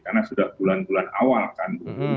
karena sudah bulan bulan awal kan dulu